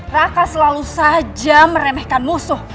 raka selalu saja meremehkan musuh